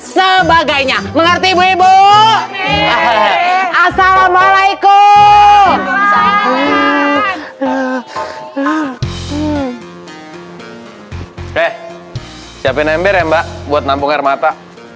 sebagainya mengerti ibu ibu assalamualaikum eh siapin ember ya mbak buat nampung air mata